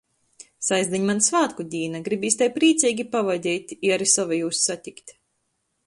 Sastdiņ maņ svātku dīna, gribīs tai prīceigi pavadeit i ari sovejūs satikt.